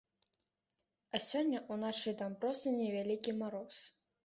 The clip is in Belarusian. А сёння ўначы там проста невялікі мароз.